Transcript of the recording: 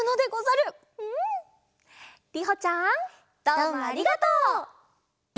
どうもありがとう！